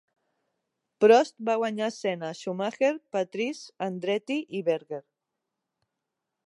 Prost va guanyar Senna, Schumacher, Patrese, Andretti i Berger.